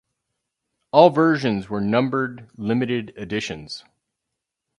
All versions were numbered limited editions.